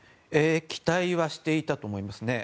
期待はしていたと思いますね。